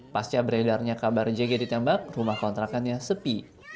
pasca beredarnya kabar jg ditembak rumah kontrakannya sepi